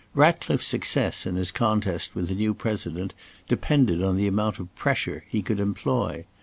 Ratcliffe's success in his contest with the new President depended on the amount of "pressure" he could employ.